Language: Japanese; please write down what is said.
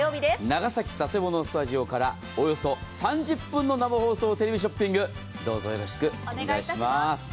長崎・佐世保のスタジオからおよそ３０分の生放送、テレビショッピング、どうぞよろしくお願いいたします。